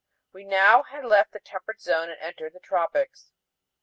We had now left the temperate zone and entered the tropics.